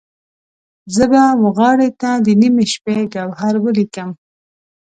زه به وغاړې ته د نیمې شپې، ګوهر ولیکم